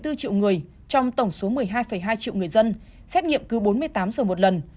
yêu cầu chín bốn triệu người trong tổng số một mươi hai hai triệu người dân xét nghiệm cứ bốn mươi tám giờ một lần